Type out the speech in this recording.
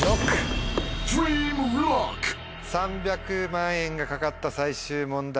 ３００万円が懸かった最終問題